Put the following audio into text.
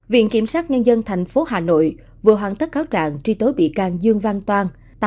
viện kiểm sát nhân dân thành phố hà nội vừa hoàn tất cáo trạng truy tố bị can dương vang toan